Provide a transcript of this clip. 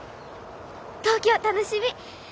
東京楽しみ！